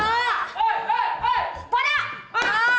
masih mampek kan